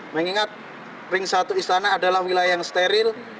mengingat ring satu istana adalah wilayah yang steril